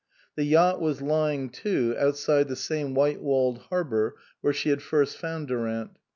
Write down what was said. The yacht was lying to, outside the same white walled harbour where she had first found Durant.